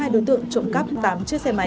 hai đối tượng trộm cắp tám chiếc xe máy